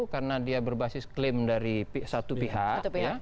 karena dia berbasis klaim dari satu pihak